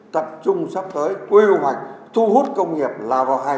tập trung sắp tới quy hoạch thu hút công nghiệp là vào hai chỗ này